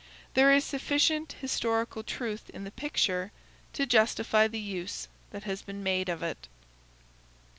There is sufficient historical truth in the picture to justify the use that has been made of it.